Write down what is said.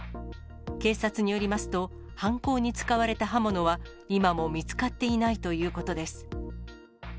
警察によりますと、犯行に使われた刃物は、今も見つかっていないということです。